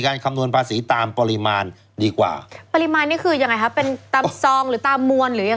การคำนวณภาษีตามปริมาณดีกว่าปริมาณนี้คือยังไงครับ